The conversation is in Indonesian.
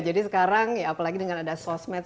jadi sekarang ya apalagi dengan ada sosmed